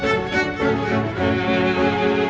waktu itu aku hamil dengan